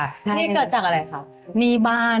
หนี้เกิดจากอะไรครับ